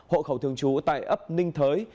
hộ khẩu thường trú tại ấp ninh thới